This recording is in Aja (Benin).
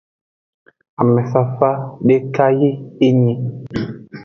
Ame fafa deka yi enyi.